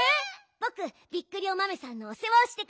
ぼくびっくりおまめさんのおせわをしてくるね！